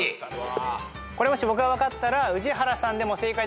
これもし僕が分かったら。